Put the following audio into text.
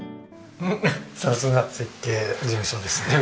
さすが設計事務所ですね。